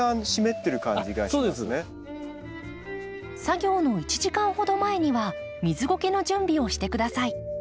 作業の１時間ほど前には水ゴケの準備をして下さい。